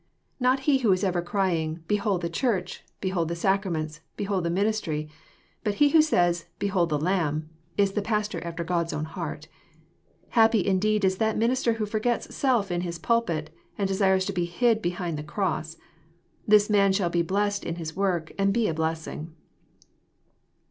Not he who is ever crying, —" Behold the Church! behold the Sacraments! behold the ministry!" but he who says, — "Behold the Lamb!" — ^is the pastor after God's own heart. Happy indeed iLthaJ minister who forgets self in hia^lpit, and desires to be hid behind the cross. This man shall be blessed in his work, and be a blessing.